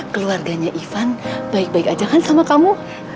keluarganya ivan baik baik aja kan sama kamu